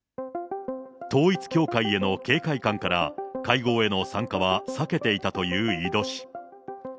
統一教会への警戒感から、会合への参加は避けていたという井戸氏。